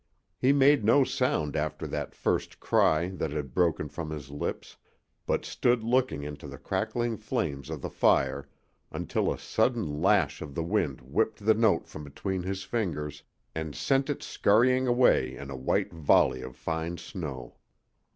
He made no sound after that first cry that had broken from his lips, but stood looking into the crackling flames of the fire until a sudden lash of the wind whipped the note from between his fingers and sent it scurrying away in a white volley of fine snow.